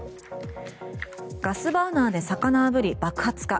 ガスバーナーで魚あぶり爆発か。